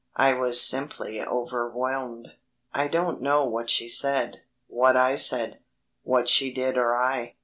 I was simply overwhelmed. I don't know what she said, what I said, what she did or I.